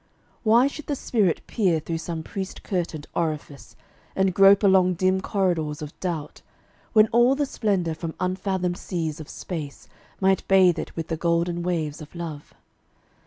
Why should the spirit peer Through some priest curtained orifice, and grope Along dim corridors of doubt, when all The splendor from unfathomed seas of space Might bathe it with the golden waves of Love?